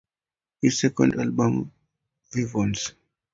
His second album Vivons!